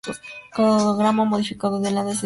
Cladograma modificado del análisis de Fischer "et al.